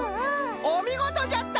おみごとじゃった！